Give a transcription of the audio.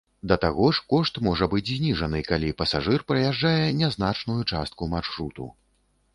Да таго ж, кошт можа быць зніжаны, калі пасажыр праязджае нязначную частку маршруту.